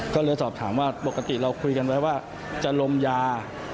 ก็เลยสอบถามว่าปกติเราคุยกันไว้ว่าจะลมยา